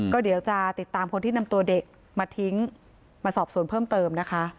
ก็เดี๋ยวจะติดตามคนที่นำตัวเด็กมาทิ้งมาสอบสวนเพิ่มเติมนะคะ